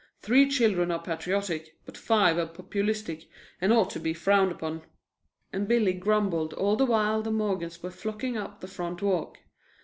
Three children are patriotic, but five are populistic and ought to be frowned upon," and Billy grumbled all the while the Morgans were flocking up the front walk.